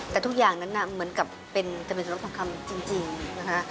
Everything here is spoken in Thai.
แต่ทุกอย่างนั้นน่ะเหมือนกับเป็นทะเบียนสมรสทองคำจริงนะคะ